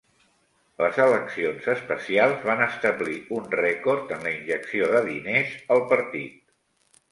Les eleccions especials van establir un record en la injecció de diners al partit.